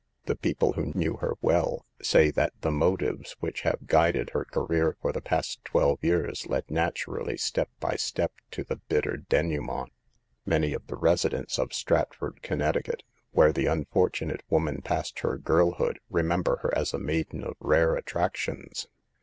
The people who knew her SOME TEMPTATIONS OF CITY LIFE. 179 well say that the motives which have guided her career for the past twelve years led natu rally step by step to the bitter denouement. Many of the residents of Stratford, Connecticut, where the unfortunate woman passed her girl hood, remember her as a maiden of rare attrac tions.